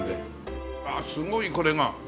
ああすごいこれが。